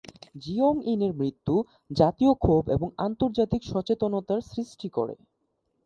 জিওং-ইনের মৃত্যু জাতীয় ক্ষোভ এবং আন্তর্জাতিক সচেতনতার সৃষ্টি করে।